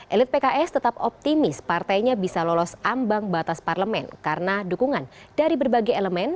elit pks tetap optimis partainya bisa lolos ambang batas parlemen karena dukungan dari berbagai elemen